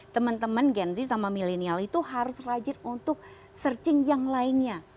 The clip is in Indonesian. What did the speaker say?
teman teman gen z sama milenial itu harus rajin untuk searching yang lainnya